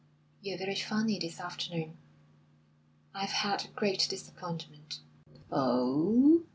"You're very funny this afternoon." "I've had a great disappointment." "Oh!"